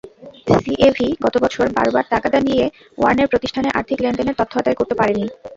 CAV গতবছর বারবার তাগাদা দিয়ে ওয়ার্নের প্রতিষ্ঠানের আর্থিক লেনদেনের তথ্য আদায় করতে পারেনি।